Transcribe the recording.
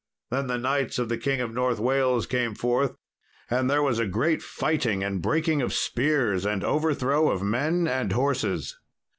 Then the knights of the King of North Wales came forth, and there was a great fighting and breaking of spears, and overthrow of men and horses.